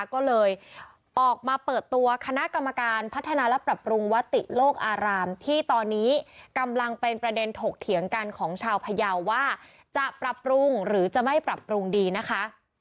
ก็เลยออกมาเปิดตัวคณะกรรมการพัฒนาและปรับปรุงวติโลกอารามที่ตอนนี้กำลังเป็นประเด็นถกเถียงกันของชาวพยาวว่าจะปรับปรุงหรือจะไม่ปรับปรุงดีนะคะ